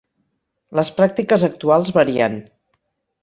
Les pràctiques actuals varien.